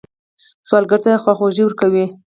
سوالګر ته خواخوږي ورکوئ